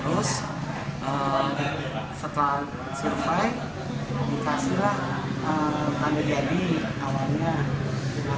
terus setelah survive dikasihlah tanda jadi awalnya